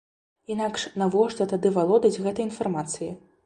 Інакш навошта тады валодаць гэтай інфармацыяй?